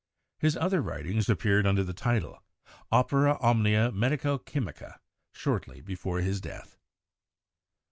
His other writings ap peared under the title, 'Opera Omnia Medico chymica' shortly before his death.